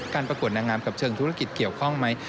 ประกวดนางงามกับเชิงธุรกิจเกี่ยวข้องไหม